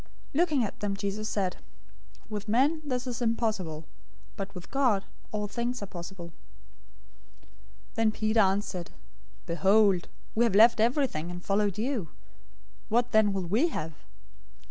019:026 Looking at them, Jesus said, "With men this is impossible, but with God all things are possible." 019:027 Then Peter answered, "Behold, we have left everything, and followed you. What then will we have?"